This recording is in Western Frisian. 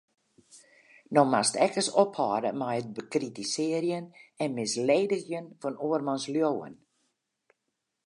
No moatst ek ris ophâlde mei it bekritisearjen en misledigjen fan oarmans leauwen.